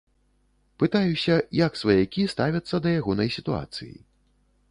Пытаюся, як сваякі ставяцца да ягонай сітуацыі.